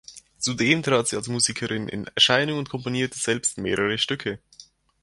Zudem trat sie als Musikerin in Erscheinung und komponierte selbst mehrere Stücke.